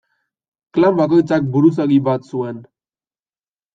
Klan bakoitzak buruzagi bat zuen.